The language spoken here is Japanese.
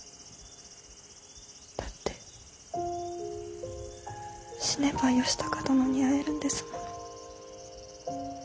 だって死ねば義高殿に会えるんですもの。